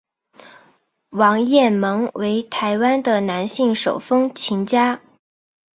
王雁盟为台湾的男性手风琴家。